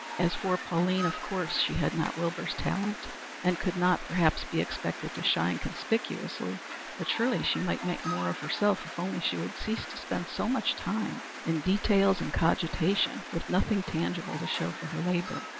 As for Pauline, of course she had not Wilbur's talent and could not, perhaps, be expected to shine conspicuously, but surely she might make more of herself if only she would cease to spend so much time in details and cogitation, with nothing tangible to show for her labor.